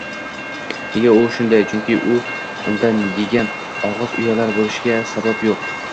Nega u shunday? Chunki unda yegan og‘iz uyalar bo‘lishiga sabab yo‘q.